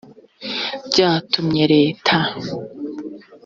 byatumye leta